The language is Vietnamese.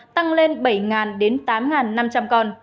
tăng lên bảy đến tám năm trăm linh con